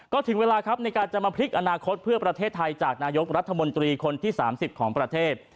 ก็ถึงเวลาครับในการจะมาพลิกอนาคตเพื่อประเทศไทยจากนายกรัฐมนตรีคนที่๓๐ของประเทศ